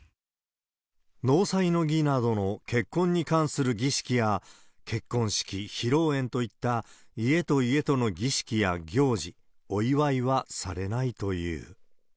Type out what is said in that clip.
納采の儀などの結婚に関する儀式や、結婚式、披露宴といった家と家との儀式や行事、お祝いはされないという。